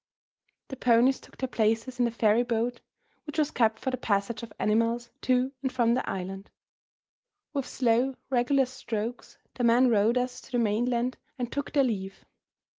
The ponies took their places in the ferryboat which was kept for the passage of animals to and from the island. With slow, regular strokes the men rowed us to the mainland and took their leave.